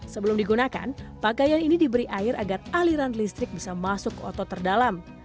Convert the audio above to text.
sebelum digunakan pakaian ini diberi air agar aliran listrik bisa masuk ke otot terdalam